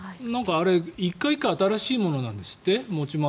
あれ、１個１個新しいものなんですって。